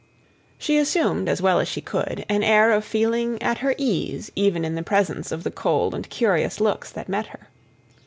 She assumed, as well as she could, an air of feeling at her ease even in the presence of the cold and curious looks that met her.